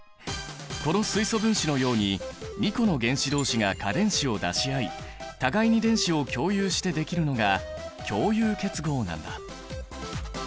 この水素分子のように２個の原子同士が価電子を出し合い互いに電子を共有してできるのが共有結合なんだ。